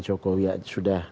joko ya sudah